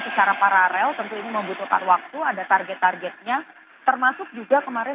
secara paralel tentu ini membutuhkan waktu ada target targetnya termasuk juga kemarin